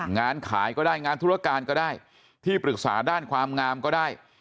งานขายก็ได้งานธุรการก็ได้ที่ปรึกษาด้านความงามก็ได้